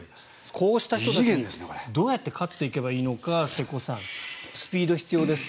こうした人たちにどうやって勝っていけばいいのか瀬古さん、スピードが必要です。